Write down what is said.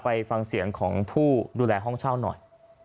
ไปฟังเสียงของผู้ดูแลห้องเช่าหน่อย